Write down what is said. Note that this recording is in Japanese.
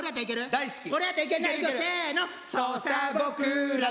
大好き。